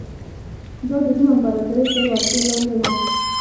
دا د روم امپراتورۍ تر ولکې لاندې و